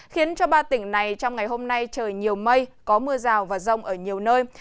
khiến cho ba tỉnh này trong ngày hôm nay trời nhiều mây có mưa rào và rông ở nhiều nơi